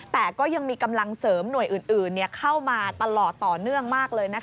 แต่ก็ยังมีกำลังเสริมหน่วยอื่นเข้ามาตลอดต่อเนื่องมากเลย